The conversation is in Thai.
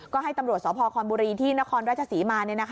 ก็ให้ตำรวจสพคอนบุรีที่นครราชศรีมา